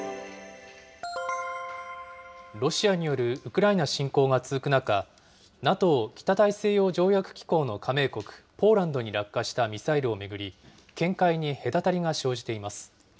ロシアによるウクライナ侵攻が続く中、ＮＡＴＯ・北大西洋条約機構の加盟国、ポーランドに落下したミサイルを巡り、見解に隔たりが生じています。